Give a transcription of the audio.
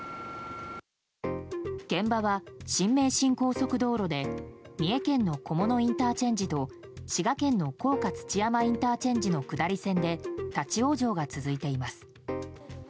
現場は新名神高速道路で三重県の菰野ＩＣと滋賀県の甲賀土山ＩＣの下り線で立ち往生が続いています。